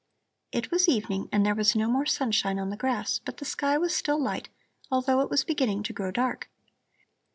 It was evening and there was no more sunshine on the grass, but the sky was still light, although it was beginning to grow dark.